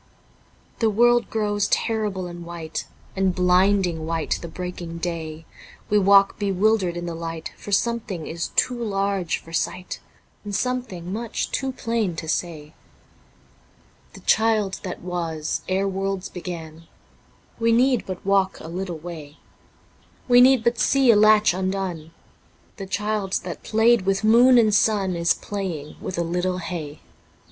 The world grows terrible and white. And blinding white the breaking day, We walk bewildered in the light, For something is too large for sight. And something much too plain to say. The Child that was ere worlds begun (... We need but walk a little way ... We need but see a latch undone ...), The Child that played with moon and sun Is playing with a little hay.